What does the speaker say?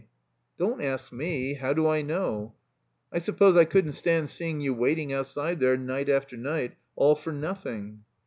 "Don't ask me — ^how do I know? I suppose I couldn't stand seeing you waiting outside there, night after night, all for nothing."